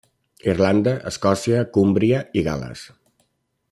Irlanda, Escòcia, Cúmbria i Gal·les.